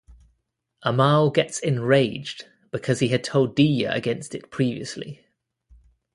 Amal gets enraged because he had told Diya against it previously.